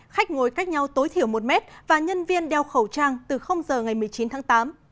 khách ngồi cách nhau tối thiểu một mét và nhân viên đeo khẩu trang từ giờ ngày một mươi chín tháng tám